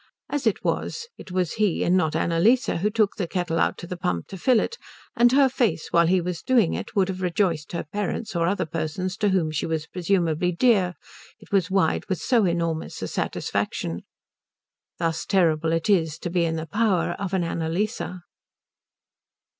As it was it was he and not Annalise who took the kettle out to the pump to fill it, and her face while he was doing it would have rejoiced her parents or other persons to whom she was presumably dear, it was wide with so enormous a satisfaction. Thus terrible is it to be in the power of an Annalise.